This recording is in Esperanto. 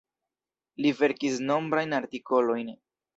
Li verkis nombrajn artikolojn.